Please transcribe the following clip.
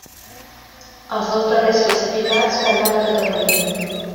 Els dos darrers classificats perden la categoria.